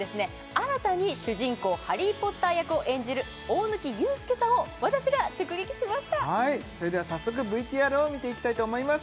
新たに主人公ハリー・ポッター役を演じる大貫勇輔さんを私が直撃しましたそれでは早速ＶＴＲを見ていきたいと思います